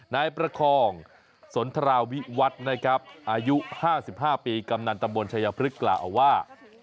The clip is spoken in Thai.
นายประคองสนทราวิวัฒน์นะครับอายุ๕๕ปีกำนันตำบลชายพฤกษกล่าวว่า